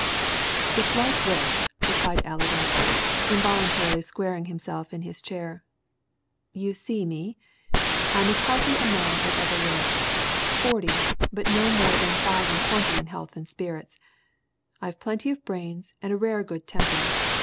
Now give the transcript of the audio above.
"It's like this," replied Allerdyke, involuntarily squaring himself in his chair. "You see me? I'm as healthy a man as ever lived! forty, but no more than five and twenty in health and spirits. I've plenty of brains and a rare good temper.